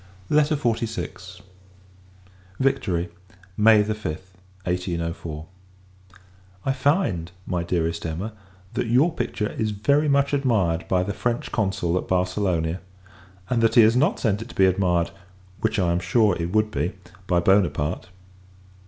LETTER XLVI. Victory, May 5, 1804. I find, my Dearest Emma, that your picture is very much admired by the French Consul at Barcelona; and that he has not sent it to be admired which, I am sure, it would be by Buonaparte.